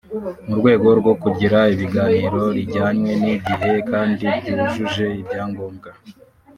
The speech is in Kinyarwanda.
mu rwego rwo kugira ibagiro rijyanye n’igihe kandi ryujuje ibyangombwa